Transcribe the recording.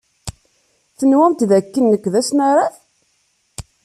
Tenwamt d akken nekk d asnaraf?